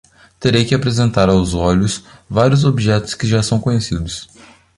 Terei que apresentar aos olhos vários objetos que já são conhecidos.